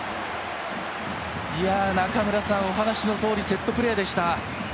中村さん、お話のとおりセットプレーでした。